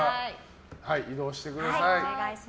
移動してください。